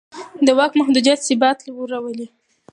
د واک محدودیت ثبات راولي